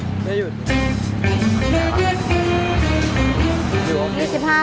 ไม่หยุด